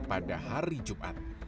pada hari jumat